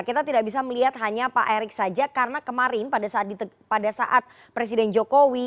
kita tidak bisa melihat hanya pak erick saja karena kemarin pada saat presiden jokowi